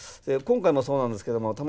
今回もそうなんですけども。